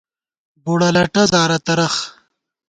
بُڑہ لٹہ زارہ ترَخ